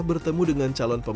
bertemu dengan calon tersebut